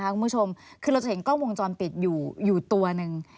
คือเราจะเห็นกล้องวงจรปิดอยู่ตัวหนึ่ง